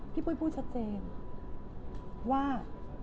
ปุ้ยพูดชัดเจนว่า